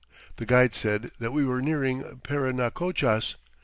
The guide said that we were nearing Parinacochas.